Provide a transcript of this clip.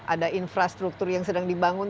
ada infrastruktur yang sedang dibangun